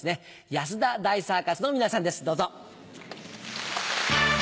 安田大サーカスの皆さんですどうぞ。